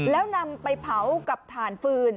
แล้วนำไปเผากับถ่านฟืน